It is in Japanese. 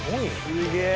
すげえ。